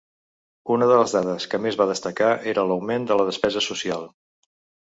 Una de les dades que més va destacar era l’augment en despesa social.